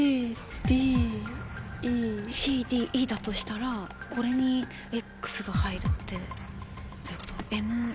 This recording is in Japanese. ＣＤＥだとしたらこれにＸが入るってどういうこと？